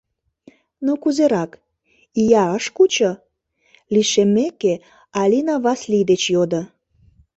— Ну кузерак, ия ыш кучо? — лишеммеке, Алина Васлий деч йодо.